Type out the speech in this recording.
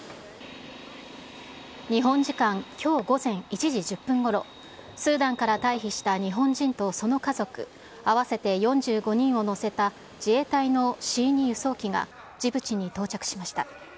日本時間きょう午前１時１０分ごろ、スーダンから退避した日本人とその家族合わせて４５人を乗せた自衛隊のＣ２輸送機がジブチに到着しました。